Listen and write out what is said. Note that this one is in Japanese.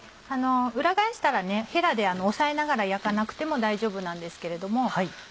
裏返したらヘラで押さえながら焼かなくても大丈夫なんですけれども。